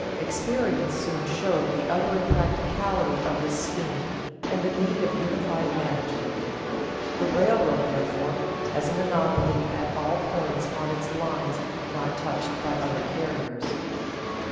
Experience soon showed the utter impracticability of this scheme and the need of unified management. The railroad, therefore, has a monopoly at all points on its line not touched by other carriers.